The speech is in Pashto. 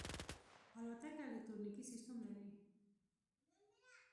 الوتکه الکترونیکي سیستم لري.